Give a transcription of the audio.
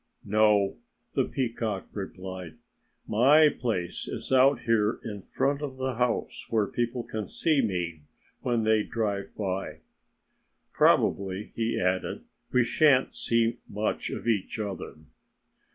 "No!" the peacock replied. "My place is out here in front of the house where people can see me when they drive by.... Probably," he added, "we shan't see much of each other."